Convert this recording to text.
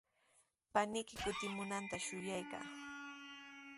Paniyki kutimunantami shuyaykaa.